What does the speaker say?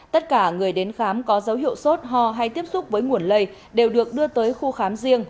tất cả người đến khám có dấu hiệu sốt ho hay tiếp xúc với nguồn lây đều được đưa tới khu khám riêng